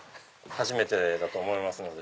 初めてだと思いますので。